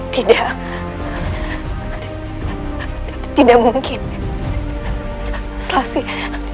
tidak tidak mungkin salah sih